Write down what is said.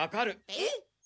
えっ？